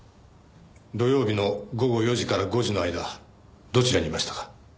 土曜日の午後４時から５時の間どちらにいましたか？